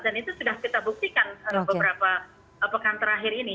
dan itu sudah kita buktikan beberapa pekan terakhir ini